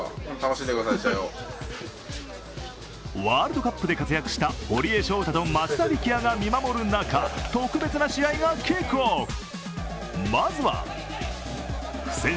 ワールドカップで活躍した堀江翔太と松田力也が見守る中特別な試合がキックオフ。